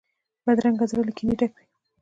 بدرنګه زړه له کینې ډک وي